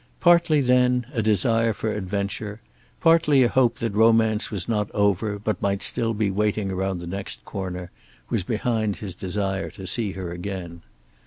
Partly, then, a desire for adventure, partly a hope that romance was not over but might still be waiting around the next corner, was behind his desire to see her again.